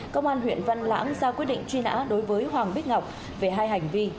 công an huyện văn lãng ra quyết định truy nã đối với hoàng bích ngọc về hai hành vi